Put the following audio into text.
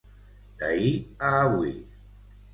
D'ahir a avui.